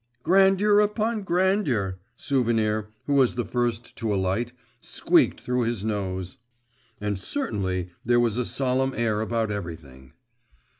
'Grandeur upon grandeur,' Souvenir, who was the first to alight, squeaked through his nose. And certainly there was a solemn air about everything.